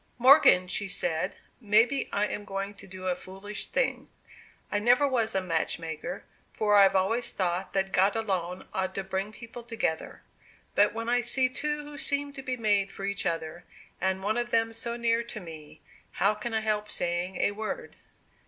"Morgan," she said, "maybe I am going to do a foolish thing. I never was a match maker, for I've always thought that God alone ought to bring people together. But when I see two who seem to be made for each other, and one of them so near to me, how can I help saying a word?"